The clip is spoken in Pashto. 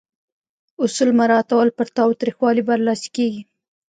اصول مراعاتول پر تاوتریخوالي برلاسي کیږي.